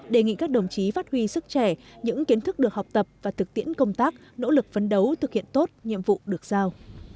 đề nghị các đồng chí phát huy sức trẻ những kiến thức được học tập và thực tiễn công tác nỗ lực phấn đấu thực hiện tốt nhiệm vụ được giao